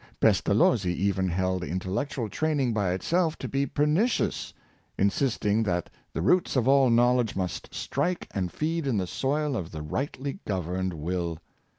Pestalozzi even held intellectual training by itself to be pernicious; insisting that the roots of all knowledge must strike and feed in the soil of the rightly governed will.